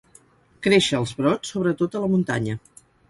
Créixer els brots, sobretot a la muntanya.